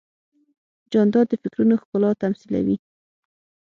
جانداد د فکرونو ښکلا تمثیلوي.